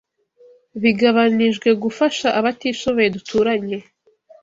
bigabanijwe gufashaabatishoboye duturanye